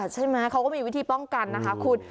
ใช่ไหมเขาก็มีวิธีป้องกันนะคะคุณ